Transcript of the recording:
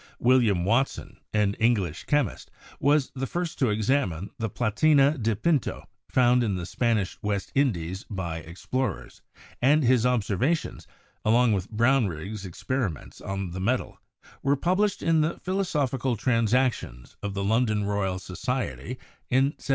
William Watson, an English chemist, was the first to examine the "Platina di Pinto," found in the Span ish West Indies by explorers, and his observations, along with Brownrigg's experiments on the metal, were published in the 'Philosophical Transactions' of the London Royal Society in 1751.